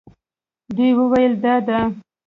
دوی وویل دا ده.